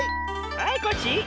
はいコッシー。